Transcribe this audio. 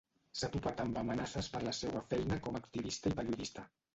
S'ha topat amb amenaces per la seua feina com a activista i periodista.